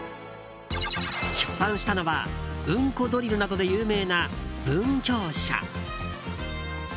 出版したのは「うんこドリル」などで有名な文響社。